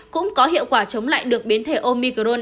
cũng có hiệu quả chống lại được biến thể omicron